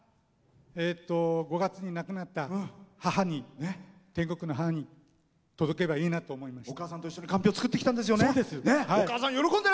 ５月に亡くなった天国の母に届けばいいなと思いました。